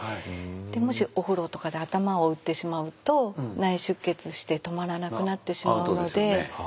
もしお風呂とかで頭を打ってしまうと内出血して止まらなくなってしまうので。